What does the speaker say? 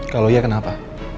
kalau iya kenapa